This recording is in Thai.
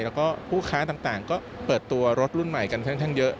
แล้วก็ผู้ค้าต่างก็เปิดตัวรถรุ่นใหม่กันค่อนข้างเยอะ